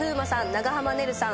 長濱ねるさん。